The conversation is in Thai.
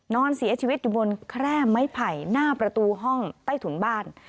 นอนเสียชีวิตอยู่บนแคร่ไม้ไผ่หน้าประตูห้องใต้ถุนบ้าน